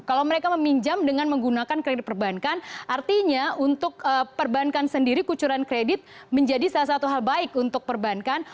kalau mereka meminjam dengan menggunakan kredit perbankan artinya untuk perbankan sendiri kucuran kredit menjadi salah satu hal baik untuk perbankan